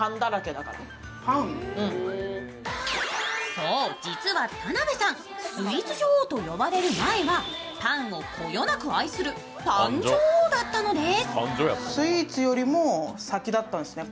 そう、実は田辺さん、スイーツ女王と呼ばれる前はパンをこよなく愛するパン女王だったのです。